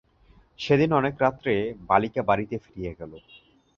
সেদিন অনেক রাত্রে বালিকা বাড়িতে ফিরিয়া গেল।